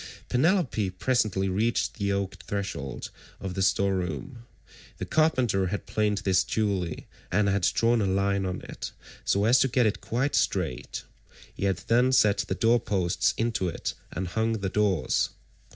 Penelope presently reached the oak threshold of the store room; the carpenter had planed this duly, and had drawn a line on it so as to get it quite straight; he had then set the door posts into it and hung the doors.